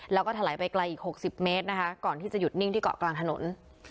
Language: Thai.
แล้วก็ถลายไปไกลอีก๖๐เมตรนะคะก่อนที่จะหยุดนิ่งที่เกาะกลางถนน